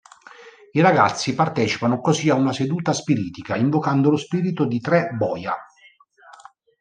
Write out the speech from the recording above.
I ragazzi partecipano così a una seduta spiritica, invocando lo spirito di tre boia.